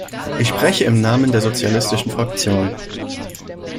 Ich spreche im Namen der Sozialistischen Fraktion.